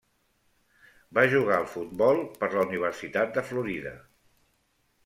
Va jugar al futbol per la Universitat de Florida.